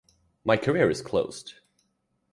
My career is closed.